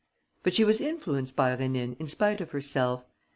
But she was influenced by Rénine in spite of herself.